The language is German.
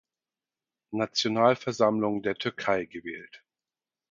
Nationalversammlung der Türkei gewählt.